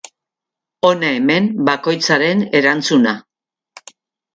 Hona hemen bakoitzaren erantzuna.